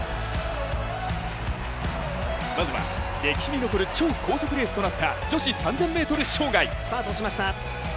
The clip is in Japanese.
まずは、歴史に残る超高速レースとなった女子３０００ｍ障害。